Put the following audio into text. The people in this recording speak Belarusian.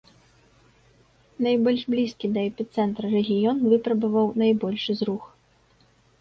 Найбольш блізкі да эпіцэнтра рэгіён выпрабаваў найбольшы зрух.